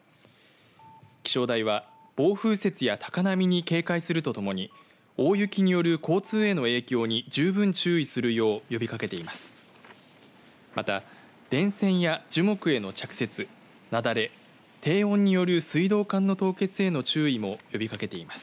気象台は暴風雪や高波に警戒するとともに大雪による交通への影響に十分注意するよう呼びかけています。